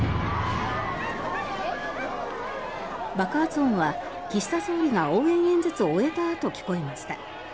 爆発音は岸田総理が応援演説を終えたあと聞こえました。